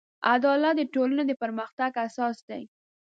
عدالت د ټولنې د پرمختګ اساس دی.